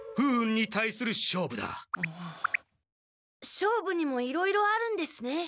勝負にもいろいろあるんですね。